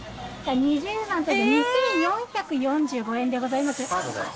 ２０万２４４５円でございます。